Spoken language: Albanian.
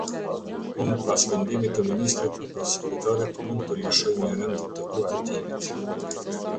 Unë pas vendimit të Ministrit apo sekretarit mund të lëshoj një rend të udhëtimit.